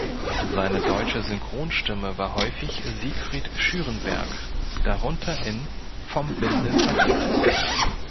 Seine deutsche Synchronstimme war häufig Siegfried Schürenberg, darunter in "Vom Winde verweht".